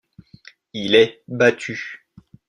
Il est battu.